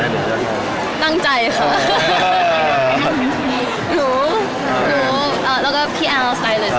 หรือโอ้มึงแล้วก็พี่แอลสไตล์